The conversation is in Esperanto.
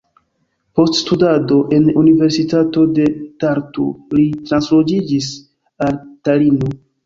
Post studado en Universitato de Tartu li transloĝiĝis al Talino.